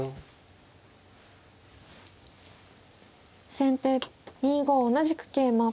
先手２五同じく桂馬。